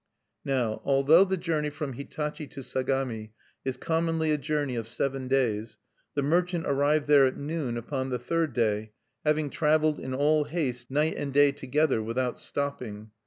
Now, although the journey from Hitachi to Sagami is commonly a journey of seven days, the merchant arrived there at noon upon the third day, having traveled in all haste, night and day together, without stopping.